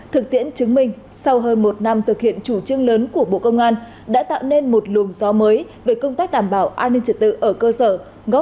thực tiễn chứng minh sau hơn một năm thực hiện chủ trương lớn của bộ công an đã tạo nên một luồng gió mới về công tác đảm bảo an ninh trật tự ở cơ sở